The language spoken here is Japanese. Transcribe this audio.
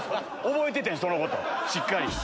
覚えててんそのことをしっかり。